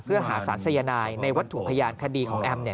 เพื่อหาสารสายนายในวัตถุพยานคดีของแอมเนี่ย